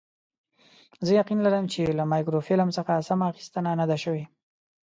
زه یقین لرم چې له مایکروفیلم څخه سمه اخیستنه نه ده شوې.